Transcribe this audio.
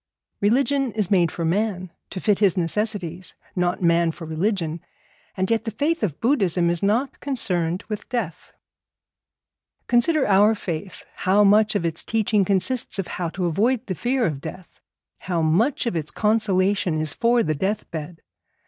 Religion is made for man, to fit his necessities, not man for religion, and yet the faith of Buddhism is not concerned with death. Consider our faith, how much of its teaching consists of how to avoid the fear of death, how much of its consolation is for the death bed.